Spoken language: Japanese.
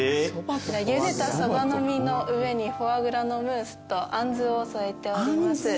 ゆでたソバの実の上にフォアグラのムースとアンズを添えております。